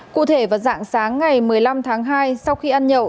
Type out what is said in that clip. cụ thể vào dạng sáng ngày một mươi năm tháng hai sau khi ăn nhậu